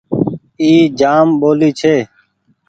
اي جآم ٻولي ڇي ۔